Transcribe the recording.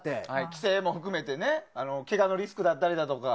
規制も含めてけがのリスクだったりとか。